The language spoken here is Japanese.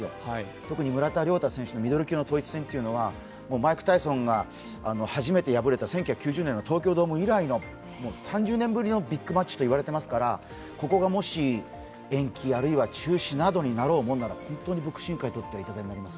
特に村田諒太選手、ミドル級の統一戦はマイク・タイソンが初めて敗れた１９９０年の東京ドーム以来の３０年ぶりのビッグマッチといわれていますからここがもし、延期あるいは中止などになろうものなら、本当に、ボクシング界にとって痛手になります。